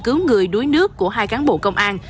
cứu người đuối nước của hai cán bộ công an